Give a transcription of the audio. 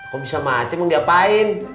kok bisa mati emang diapain